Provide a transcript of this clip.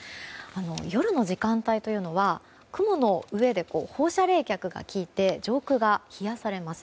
夜の時間帯というのは雲の上で放射冷却が利いて上空が冷やされます。